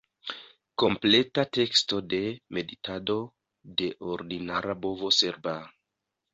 Kompleta teksto de "Meditado de ordinara bovo serba"